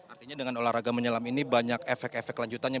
artinya dengan olahraga menyelam ini banyak efek efek lanjutannya